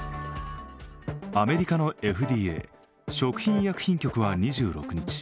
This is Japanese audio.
アメリカのＦＤＡ＝食品医薬品局は２６日